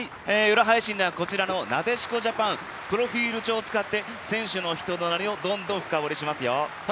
なでしこジャパンプロフィール帳を使って選手のひととなりをどんどん深堀りしますよ。